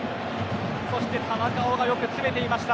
そして田中碧がよく詰めていました。